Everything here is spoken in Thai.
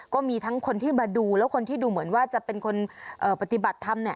ก็มีทั้งคนที่มาดูแล้วคนที่ดูเหมือนว่าจะเป็นคนปฏิบัติธรรมเนี่ย